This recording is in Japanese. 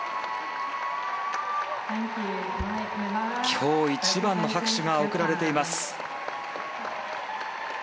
今日一番の拍手が送られています。